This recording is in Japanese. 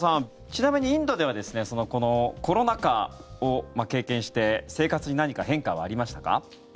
ちなみにインドではコロナ禍を経験して生活に何か変化はありましたか？